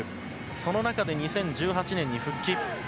その中で２０１８年に復帰。